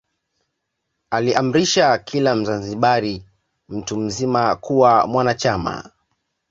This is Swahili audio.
Aliamrisha kila Mzanzibari mtu mzima kuwa mwanachama